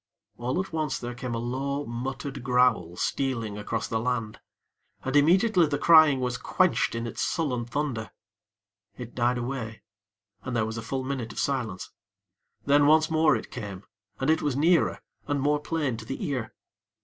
All at once there came a low, muttered growl, stealing across the land; and immediately the crying was quenched in its sullen thunder. It died away, and there was a full minute of silence; then, once more it came, and it was nearer and more plain to the ear.